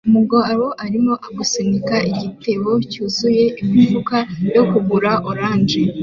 Umugabo arimo asunika igitebo cyuzuye imifuka yo kugura orange